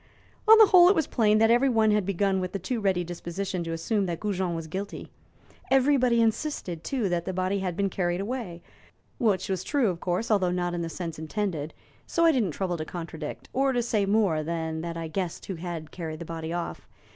"On the whole, it was plain that everybody had begun with a too ready disposition to assume that Goujon was guilty. Everybody insisted, too, that the body had been carried away which was true, of course, although not in the sense intended so I didn't trouble to contradict, or to say more than that I guessed who had carried the body off.